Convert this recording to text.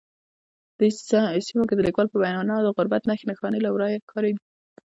دې سیمه کې د لیکوال په وینا د غربت نښې نښانې له ورایه ښکاري